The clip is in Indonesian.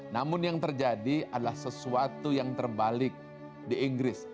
namun yang terjadi adalah sesuatu yang terbalik di inggris